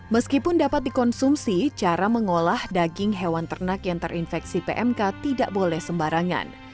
meskipun dapat dikonsumsi cara mengolah daging hewan ternak yang terinfeksi pmk tidak boleh sembarangan